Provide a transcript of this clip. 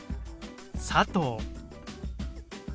「佐藤」。